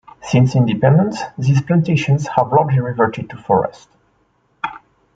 Since independence, these plantations have largely reverted to forest.